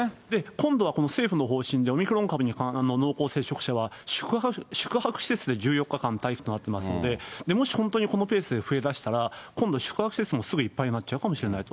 今度はこの政府の方針で、オミクロン株に、濃厚接触者は宿泊施設で１４日間待機となっていますので、もしこのペースで本当に増えだしたら、今度宿泊施設もすぐいっぱいになっちゃうかもしれないと。